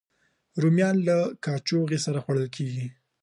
رومیان له کاچوغې سره خوړل کېږي